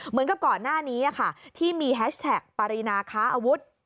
เหมือนกับก่อนหน้านี้ที่มีแฮชแท็กปรินาค้าอาวุธ